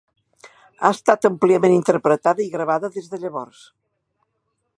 Ha estat àmpliament interpretada i gravada des de llavors.